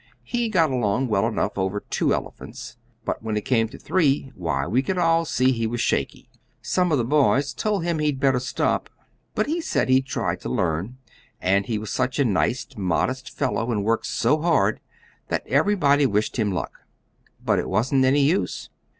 He got along well enough over two elephants, but when it came to three, why, we could all see he was shaky. Some of the boys told him he'd better stop, but he said he'd try to learn, and he was such a nice, modest fellow and worked so hard that everybody wished him luck. But it wasn't any use.